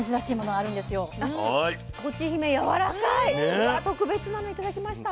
うわ特別なの頂きました。